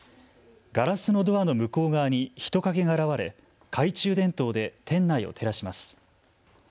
ガラスのドアの向こう側に人影が現れ懐中電灯で店内を照らします。